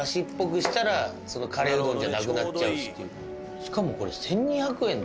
しかもこれ。